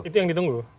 itu yang ditunggu